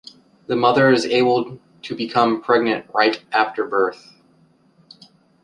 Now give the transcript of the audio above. The mother is able to become pregnant right after birth.